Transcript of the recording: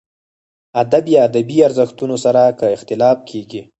ادب یا ادبي ارزښتونو سره که اختلاف کېږي.